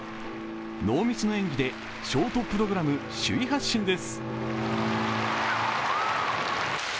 ノーミスの演技でショートプログラム首位発進です。